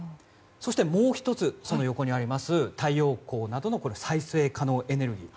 そしてもう１つ、太陽光などの再生可能エネルギー。